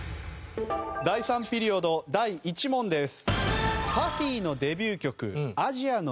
第３ピリオド第１問です。